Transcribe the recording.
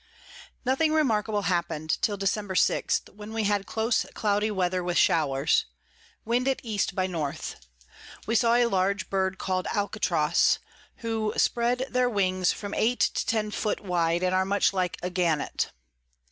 Nothing remarkable happen'd till Decemb. 6. when we had close cloudy Weather, with Showers; Wind at E. by N. We saw a large Bird call'd Alcatros, who spread their Wings from eight to ten foot wide, and are much like a Gannet.